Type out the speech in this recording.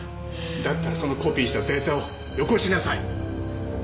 だったらそのコピーしたデータをよこしなさい